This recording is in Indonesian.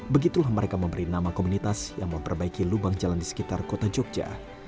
begitulah mereka memberi nama komunitas yang memperbaiki lubang jalan di sekitar kota jogja